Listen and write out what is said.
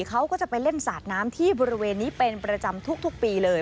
เขาก็จะไปเล่นสาดน้ำที่บริเวณนี้เป็นประจำทุกปีเลย